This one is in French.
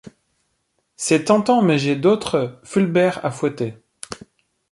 C'est tentant mais j'ai d'autres Fulbert à fouetter.